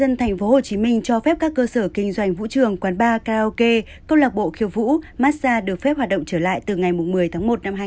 ubnd tp hcm cho phép các cơ sở kinh doanh vũ trường quán bar karaoke cộng lạc bộ khiêu vũ massage được phép hoạt động trở lại từ ngày một mươi một hai nghìn hai mươi hai